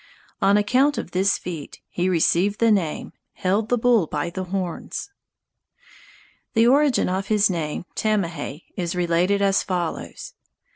On account of this feat he received the name "Held the Bull by the Horns." The origin of his name "Tamahay" is related as follows.